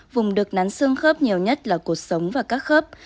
vùng được nắn xương khớp nhiều nhất là cuộc sống và các khớp